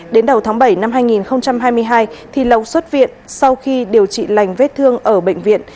đến đầu tháng bảy năm hai nghìn hai mươi hai thì lộc xuất viện sau khi điều trị lành vết thương ở bệnh viện